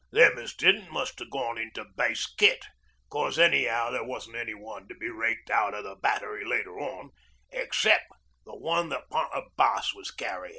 Them as didn't must 'ave gone into "Base kit," cos any'ow there wasn't one to be raked out o' the Battery later on excep' the one that Pint o' Bass was carryin'.